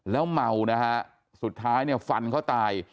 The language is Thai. แล้วเมานะฮะสุดท้ายเนี่ยฟันเขาตาย